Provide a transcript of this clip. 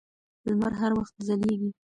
لمر هر وخت ځلېږي.